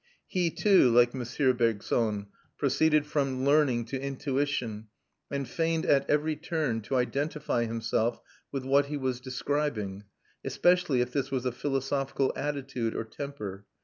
He too, like M. Bergson, proceeded from learning to intuition, and feigned at every turn to identify himself with what he was describing, especially if this was a philosophical attitude or temper.